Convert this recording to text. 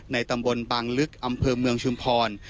ตำบลบางลึกอำเภอเมืองชุมพร